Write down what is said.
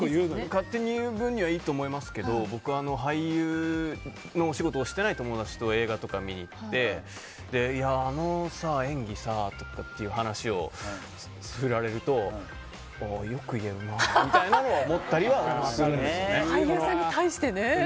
勝手に言う分にはいいと思いますけど僕は俳優のお仕事をしてない友達と映画とかを見に行ってあの演技さとかって話を振られると、よく言えるなとは思ったりするんですよね。